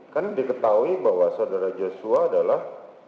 kan diketahui bahwa saudara joshua adalah